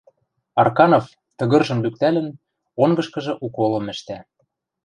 Арканов, тыгыржым лӱктӓлӹн, онгышкыжы уколым ӹштӓ.